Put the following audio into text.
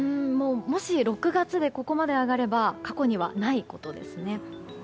もし６月でここまで上がれば過去にはないことですね。